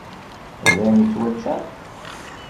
D ayen ittwaččan?